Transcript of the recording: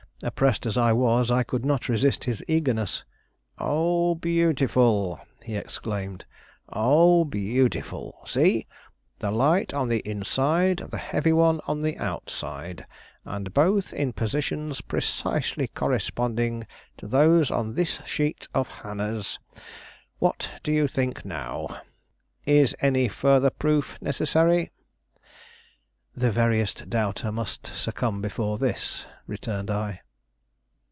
Oppressed as I was, I could not resist his eagerness. "Oh, beautiful!" he exclaimed. "Oh, beautiful! See! the light on the inside, the heavy one on the outside, and both in positions precisely corresponding to those on this sheet of Hannah's. What do you think now? Is any further proof necessary?" "The veriest doubter must succumb before this," returned I.